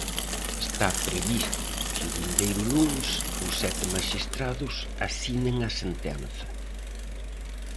Está previsto que o vindeiro luns os sete maxistrados asinen a sentenza.